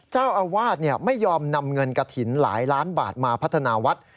เจ้าอาวาสไม่ยอมนำเงินกระถิ่นหลายล้านบาทมาพัฒนาวัด